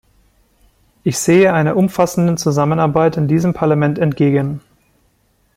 Ich sehe einer umfassenden Zusammenarbeit in diesem Parlament entgegen.